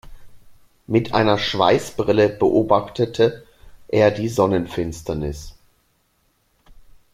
Mit einer Schweißbrille beobachtete er die Sonnenfinsternis.